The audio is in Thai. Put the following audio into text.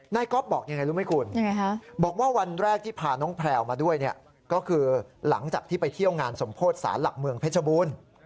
ก๊อฟบอกยังไงรู้ไหมคุณบอกว่าวันแรกที่พาน้องแพลวมาด้วยก็คือหลังจากที่ไปเที่ยวงานสมโพธิสารหลักเมืองเพชรบูรณ์